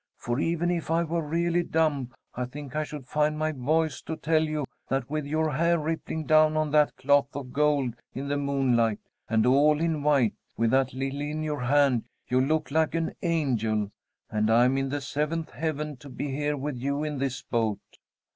"For even if I were really dumb I think I should find my voice to tell you that with your hair rippling down on that cloth of gold in the moonlight, and all in white, with that lily in your hand, you look like an angel, and I'm in the seventh heaven to be here with you in this boat."